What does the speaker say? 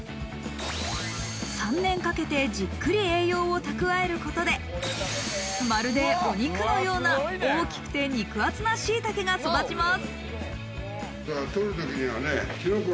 ３年かけて、じっくり栄養を蓄えることで、まるでお肉のような、大きくて肉厚なしいたけが育ちます。